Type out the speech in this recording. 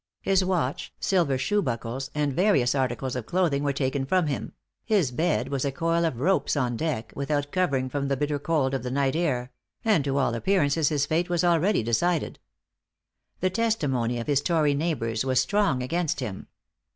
His watch, silver shoe buckles, and various articles of clothing were taken from him; his bed was a coil of ropes on deck, without covering from the bitter cold of the night air; and to all appearances his fate was already decided. The testimony of his Tory neighbors was strong against him.